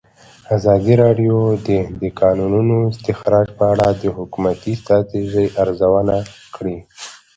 ازادي راډیو د د کانونو استخراج په اړه د حکومتي ستراتیژۍ ارزونه کړې.